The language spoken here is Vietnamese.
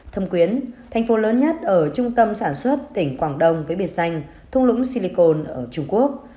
thâm quyến thành phố lớn nhất ở trung tâm sản xuất tỉnh quảng đông với biệt danh thung lũng silicon ở trung quốc